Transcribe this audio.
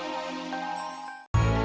lo sudah nyampaiiu